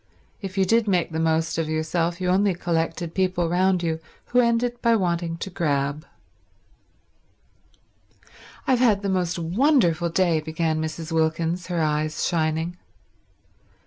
If you did make the most of yourself, you only collected people round you who ended by wanting to grab. "I've had the most wonderful day," began Mrs. Wilkins, her eyes shining.